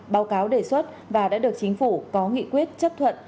báo cáo đề xuất và đã được chính phủ có nghị quyết chấp thuận